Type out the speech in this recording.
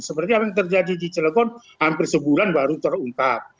seperti apa yang terjadi di celegon hampir sebulan baru terungkap